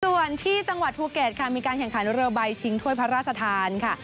ส่วนที่จังหวัดภูเก็ตค่ะมีการแข่งขันเรือใบชิงถ้วยพระราชทานค่ะ